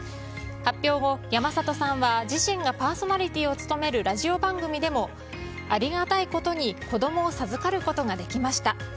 発表後、山里さんは自身がパーソナリティーを務めるラジオ番組でもありがたいことに子供を授かることができました。